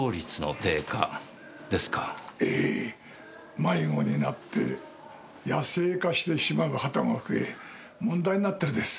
迷子になって野生化してしまう鳩が増え問題になってるんです。